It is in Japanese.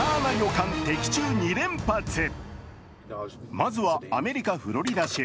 まずはアメリカ・フロリダ州。